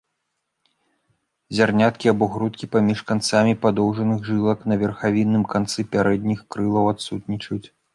Зярняткі або грудкі паміж канцамі падоўжных жылак на верхавінным канцы пярэдніх крылаў адсутнічаюць.